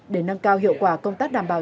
để nâng cao hiệu quả công tác đảm bảo